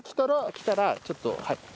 来たらちょっとはい。